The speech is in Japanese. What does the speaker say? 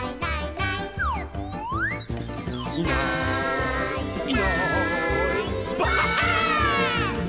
「いないいないばあっ！」